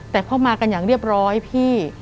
แต่พอมากันอย่างเรียบร้อยพี่